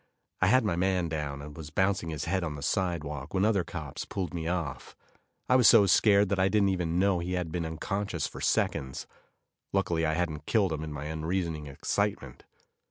I had my man down, and was bouncing his head on the sidewalk, when other cops pulled me off. I was so scared that I didn't even know he had been unconscious for seconds. Luckily, I hadn't killed him in my unreasoning excitement.